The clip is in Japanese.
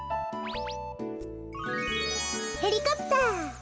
ヘリコプター！